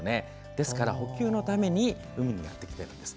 ですから、補給のために海にやって来ているんです。